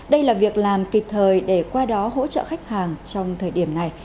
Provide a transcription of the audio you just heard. đây là việc làm kịp thời để qua đó hỗ trợ khách hàng trong thời điểm này